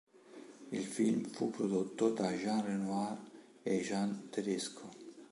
Il film fu prodotto da Jean Renoir e Jean Tedesco.